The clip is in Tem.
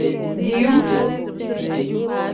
Diiwu.